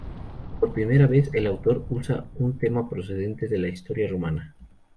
Por primera vez, el autor usa un tema procedente de la historia romana.